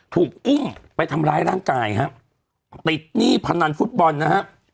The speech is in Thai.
ถูกอุ้มไปทำร้ายร่างกายฮะติดหนี้พนันฟุตบอลนะฮะ